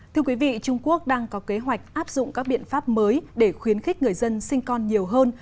thưa quý vị trung quốc đang có kế hoạch áp dụng các biện pháp mới để khuyến khích người dân sinh con nhiều hơn